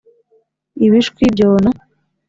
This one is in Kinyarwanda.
Ibishwi byona